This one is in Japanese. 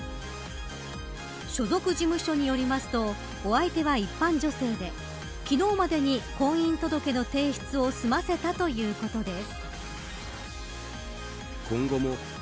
所属事務所によりますとお相手は一般女性で昨日までに婚姻届の提出を済ませたということです。